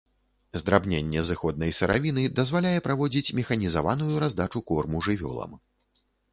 Здрабненне зыходнай сыравіны дазваляе праводзіць механізаваную раздачу корму жывёлам.